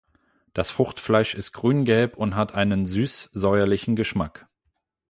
Das Fruchtfleisch ist grüngelb und hat einen süß-säuerlichen Geschmack.